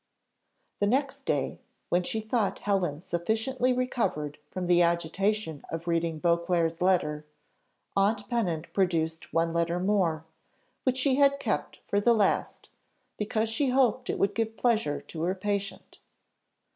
The next day, when she thought Helen sufficiently recovered from the agitation of reading Beauclerc's letter, aunt Pennant produced one letter more, which she had kept for the last, because she hoped it would give pleasure to her patient.